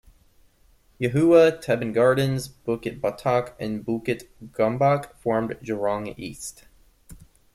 Yuhua, Teban Gardens, Bukit Batok and Bukit Gombak formed Jurong East.